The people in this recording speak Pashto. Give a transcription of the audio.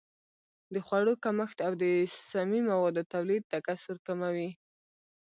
د خوړو کمښت او د سمي موادو تولید تکثر کموي.